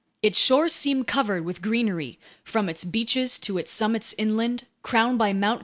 Its shores seemed covered with greenery from its beaches to its summits inland, crowned by Mt.